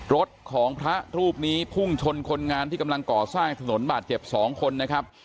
รถของพระรูปนี้พุ่งชนคนงานที่กำลังก่อสร้างถนนบาดเจ็บ๒คนนะครับ